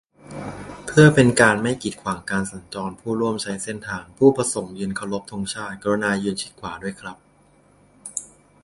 เพื่อเป็นการไม่กีดขวางการสัญจรผู้ร่วมใช้เส้นทาง ผู้ประสงค์ยืนเคารพธงชาติ กรุณายืนชิดขวาด้วยครับ